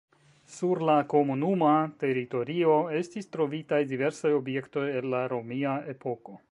Sur la komunuma teritorio estis trovitaj diversaj objektoj el la romia epoko.